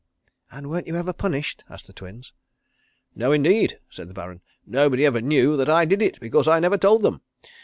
"And weren't you ever punished?" asked the Twins. "No, indeed," said the Baron. "Nobody ever knew that I did it because I never told them.